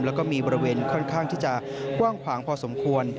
แล้วก็มีบริเวณค่อนข้างที่จะกว้างขวางพอสมควร